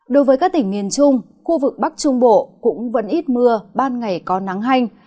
đối với các tỉnh miền trung khu vực bắc trung bộ cũng vẫn ít mưa ban ngày có nắng hanh